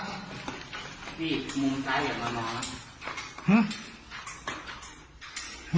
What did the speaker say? นี่มุมซ้ายอย่างมะน้อย